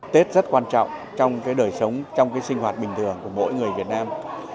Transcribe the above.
tết rất quan trọng trong đời sống trong cái sinh hoạt bình thường của mỗi người việt nam